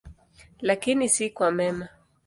Lakini si kwa mema.